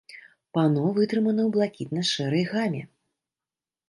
Пано вытрымана ў блакітна-шэрай гаме.